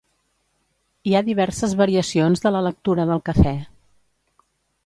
Hi ha diverses variacions de la lectura del cafè.